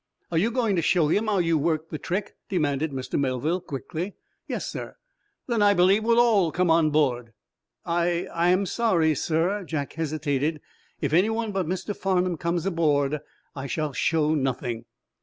"Are you going to show him how you worked the trick?" demanded Mr. Melville, quickly. "Yes, sir." "Then I believe we'll all come on board." "I I am sorry, sir." Jack hesitated. "If anyone but Mr. Farnum comes aboard I shall show nothing.